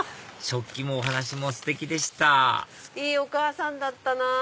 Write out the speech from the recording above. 食器もお話もステキでしたいいお母さんだったなぁ。